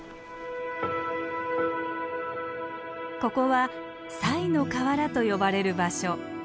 ここは「賽の河原」と呼ばれる場所。